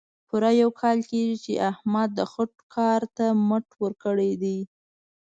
پوره یو کال کېږي، چې احمد د خټو کار ته مټ ورکړې ده.